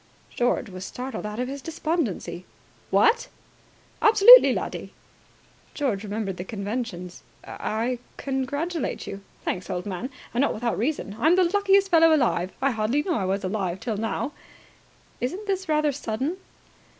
George was startled out of his despondency. "What!" "Absolutely, laddie!" George remembered the conventions. "I congratulate you." "Thanks, old man. And not without reason. I'm the luckiest fellow alive. I hardly knew I was alive till now." "Isn't this rather sudden?"